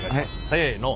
せの。